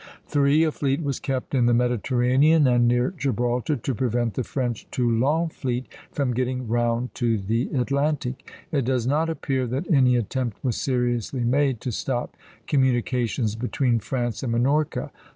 3. A fleet was kept in the Mediterranean and near Gibraltar to prevent the French Toulon fleet from getting round to the Atlantic. It does not appear that any attempt was seriously made to stop communications between France and Minorca.